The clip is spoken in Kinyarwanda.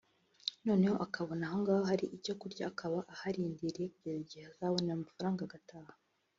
noneho akabona ahongaho hari icyo kurya akaba aharindiririye kugeza igihe azabonera amafaranga agataha